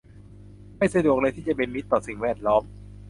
ไม่สะดวกเลยที่จะเป็นมิตรต่อสิ่งแวดล้อม